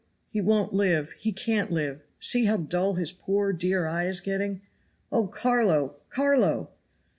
he won't live, he can't live; see how dull his poor, dear eye is getting. Oh, Carlo! Carlo!"